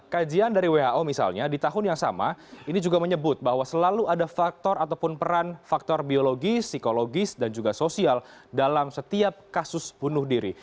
kajian dari who misalnya di tahun yang sama ini juga menyebut bahwa selalu ada faktor ataupun peran faktor biologi psikologis dan juga sosial dalam setiap kasus bunuh diri